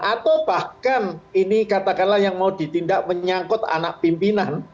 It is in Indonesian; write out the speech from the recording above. atau bahkan ini katakanlah yang mau ditindak menyangkut anak pimpinan